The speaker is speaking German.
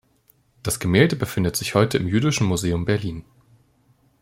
Das Gemälde befindet sich heute im Jüdischen Museum Berlin.